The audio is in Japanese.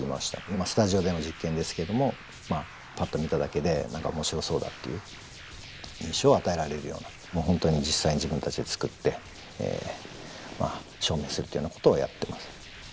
スタジオでの実験ですけれどもパッと見ただけで何か面白そうだっていう印象を与えられるような本当に実際に自分たちで作って証明するというようなことをやってます。